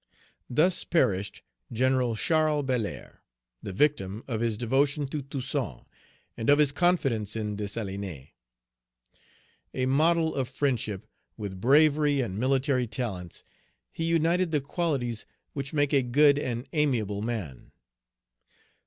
Thus perished General Charles Belair, the victim of his devotion to Toussaint, and of his confidence in Dessalines. A model of friendship, with bravery and military talents he united the qualities which make a good and amiable man.